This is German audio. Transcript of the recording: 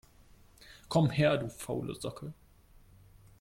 Komm her, du faule Socke!